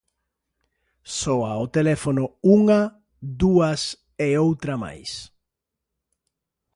Soa o teléfono unha, dúas e outra máis.